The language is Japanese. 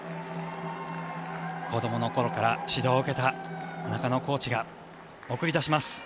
子どもの頃から指導を受けた中野コーチが送り出します。